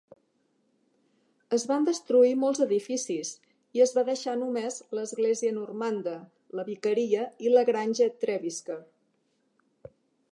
Es van destruir molts edificis, i es va deixar només l'església normanda, la vicaria i la granja Trevisker.